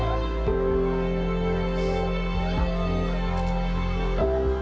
ขอบคุณครับ